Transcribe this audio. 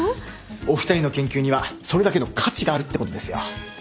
お二人の研究にはそれだけの価値があるってことですよ。